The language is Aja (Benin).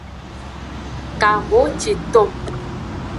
Kahociton.